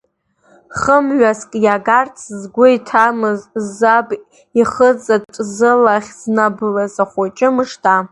Хымҩаск иагарц згәы иҭамыз, заб ихызаҵә зылахь ҵнаблыз ахәыҷы мыжда!